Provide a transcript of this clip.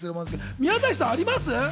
宮崎さんあります？